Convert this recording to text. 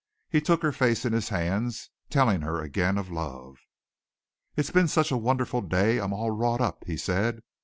He took her face in his hands, telling her again of love. "It's been such a wonderful day I'm all wrought up," he said.